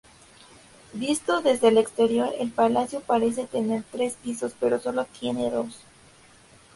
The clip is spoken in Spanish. Visto desde el exterior, el palacio parece tener tres pisos, pero sólo tiene dos.